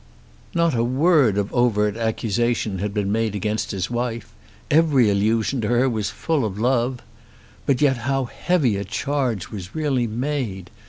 Not a word of overt accusation had been made against his wife. Every allusion to her was full of love. But yet how heavy a charge was really made!